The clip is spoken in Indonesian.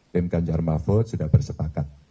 tim ganjar mahfud sudah bersepakat